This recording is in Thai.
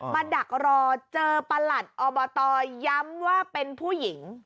ดักรอเจอประหลัดอบตย้ำว่าเป็นผู้หญิง